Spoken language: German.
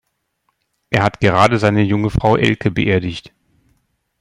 Er hat gerade seine junge Frau Elke beerdigt.